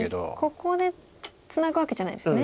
ここでツナぐわけじゃないですね。